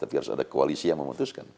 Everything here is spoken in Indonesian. tapi harus ada koalisi yang memutuskan